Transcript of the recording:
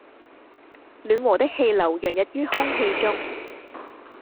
暖和的氣流洋溢於空氣中